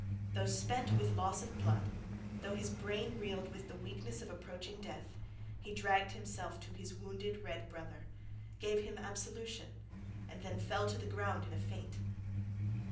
Though spent with loss of blood, though his brain reeled with the weakness of approaching death, he dragged himself to his wounded red brother, gave him absolution, and then fell to the ground in a faint.